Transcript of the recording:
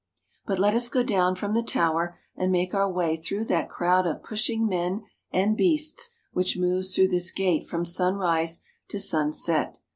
But let us go down from the tower and make our way through that crowd of pushing men and beasts which moves through this gate from sunrise to sunset.